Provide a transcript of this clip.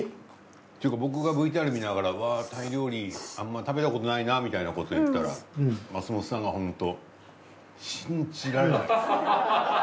っていうか僕がＶＴＲ見ながら「わぁタイ料理あんま食べたことないな」みたいなこと言ったら松本さんがホント。